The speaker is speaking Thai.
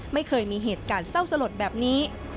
ไม่เคยมีเหตุการณ์เศร้าสลดแบบนี้